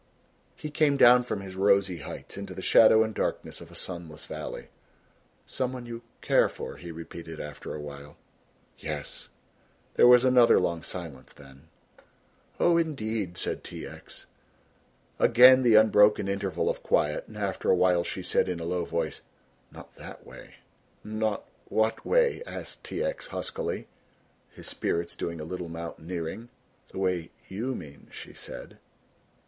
He came down from his rosy heights into the shadow and darkness of a sunless valley. "Some one you care for," he repeated after a while. "Yes." There was another long silence, then, "Oh, indeed," said T. X. Again the unbroken interval of quiet and after a while she said in a low voice, "Not that way." "Not what way!" asked T. X. huskily, his spirits doing a little mountaineering. "The way you mean," she said.